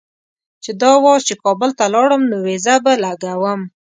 چې دا وار چې کابل ته لاړم نو ویزه به لګوم.